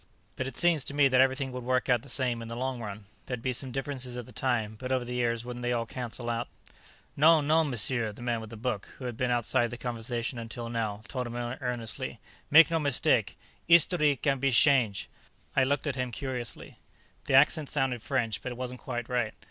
"But it seems to me that everything would work out the same in the long run. There'd be some differences at the time, but over the years wouldn't they all cancel out?" "Non, non, Monsieur!" the man with the book, who had been outside the conversation until now, told him earnestly. "Make no mistake; 'istoree can be shange'!" I looked at him curiously. The accent sounded French, but it wasn't quite right.